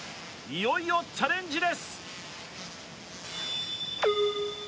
いよいよチャレンジです。